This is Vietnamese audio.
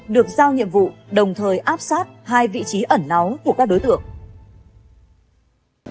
được giao nhiệm vụ đồng thời áp sát hai vị trí ẩn náu của các đối tượng